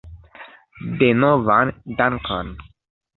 Denovan dankon.